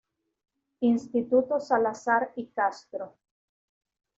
Instituto Salazar y Castro.